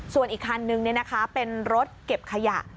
ส่วนอีกคันนึงเป็นรถเก็บขยะ